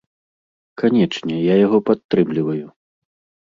Канечне, я яго падтрымліваю.